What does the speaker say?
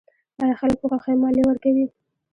آیا خلک په خوښۍ مالیه ورکوي؟